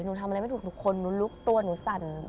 หนูทำอะไรไม่ถูกทุกคนหนูลุกตัวหนูสั่น